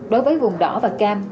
đối với vùng đỏ và cam